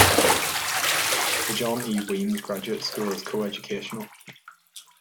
The John E. Weems Graduate School is coeducational.